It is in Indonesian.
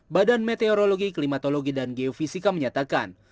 badan meteorologi klimatologi dan geofisika menyatakan